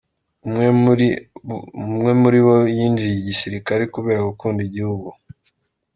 Umwe muri bo yinjiye igisirikare kubera gukunda igihugu.